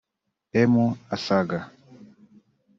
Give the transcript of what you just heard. M€(asaga